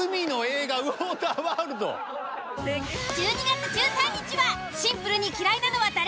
１２月１３日はシンプルに嫌いなのは誰？